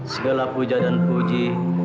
segala puja dan puji